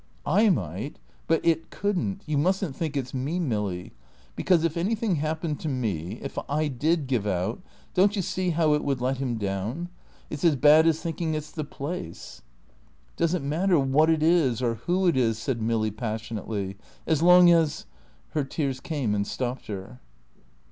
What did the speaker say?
"I might. But It couldn't. You mustn't think it's me, Milly. Because if anything happened to me, if I did give out, don't you see how it would let him down? It's as bad as thinking it's the place." "Does it matter what it is or who it is," said Milly, passionately; "as long as " Her tears came and stopped her.